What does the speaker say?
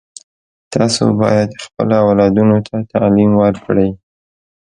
تاسو باید خپلو اولادونو ته تعلیم ورکړئ